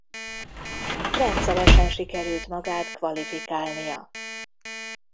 Rendszeresen sikerült magát kvalifikálnia.